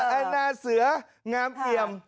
แอนนาเสืองามเอี่ยม